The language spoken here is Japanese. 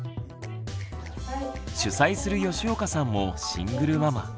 主宰する吉岡さんもシングルママ。